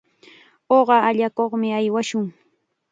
Uqa allakuqmi aywashun.